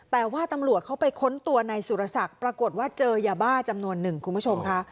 แต่ว่าตำรวจเขาไปค้นตัวนายสุรศักดิ์ปรากฏว่าเจอยาบ้าจำนวนหนึ่งคุณผู้ชมค่ะ